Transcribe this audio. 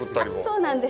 そうなんです。